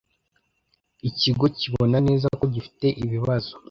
ikigo kibona neza ko gifite ibibazo